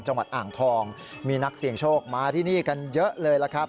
จังหวัดอ่างทองมีนักเสี่ยงโชคมาที่นี่กันเยอะเลยล่ะครับ